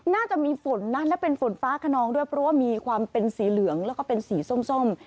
น่าจะมีฝนนะและเป็นฝนฟ้าขนองด้วยเพราะว่ามีความเป็นสีเหลืองแล้วก็เป็นสีส้ม